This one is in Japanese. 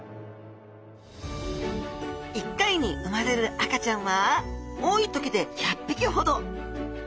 一回に産まれる赤ちゃんは多い時で１００ぴきほど。